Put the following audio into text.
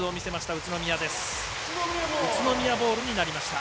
宇都宮ボールになりました。